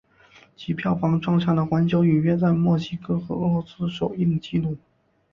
其票房创下了环球影业在墨西哥和俄罗斯首映的纪录。